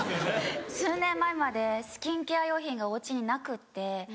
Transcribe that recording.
数年前までスキンケア用品がお家になくって。